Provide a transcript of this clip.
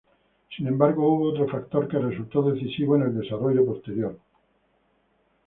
Sin embargo hubo otro factor que resultó decisivo en el desarrollo posterior.